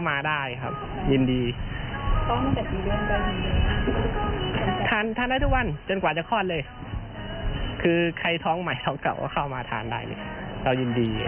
ได้ไหมเรายินดีเดี๋ยวเราเอาฮิคกันฟ้ามาทานเยอะมั้ย